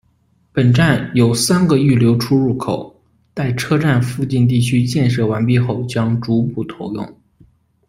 本站有三个预留出入口，待车站附近地区建设完毕后将逐步投用。